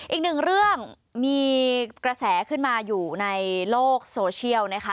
อีกหนึ่งเรื่องมีกระแสขึ้นมาอยู่ในโลกโซเชียลนะคะ